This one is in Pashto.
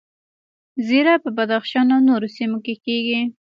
زیره په بدخشان او نورو سیمو کې کیږي